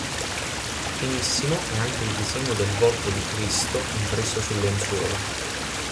Finissimo è anche il disegno del volto di Cristo impresso sul lenzuolo.